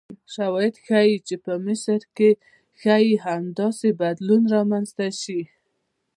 شواهد ښیي چې په مصر کې ښایي همداسې بدلون رامنځته شي.